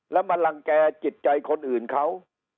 แล้วมารังแก่จิตใจคนอื่นเขา